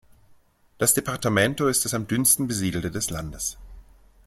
Das Departamento ist das am dünnsten besiedelte des Landes.